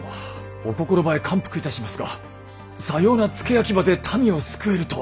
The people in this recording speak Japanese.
お心ばえ感服いたしますがさような付け焼き刃で民を救えるとは。